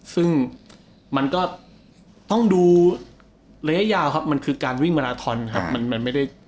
ซึ่งมันก็ต้องดูระยะยาวครับมันคือการวิ่งมาราทอนครับ